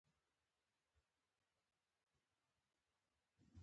قلم د فکر عکاسي کوي